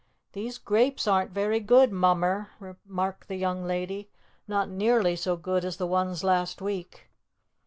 "These grapes aren't very good, Mummer," remarked the young lady, "not nearly so good as the ones last week."